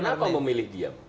kenapa memilih diem